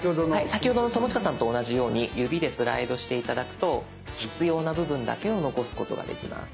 先ほどの友近さんと同じように指でスライドして頂くと必要な部分だけを残すことができます。